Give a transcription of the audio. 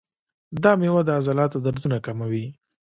دا میوه د عضلاتو دردونه کموي.